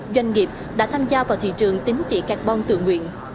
doanh nghiệp đã tham gia vào thị trường tính trị carbon tự nguyện